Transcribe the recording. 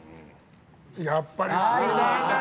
やっぱり好きだね！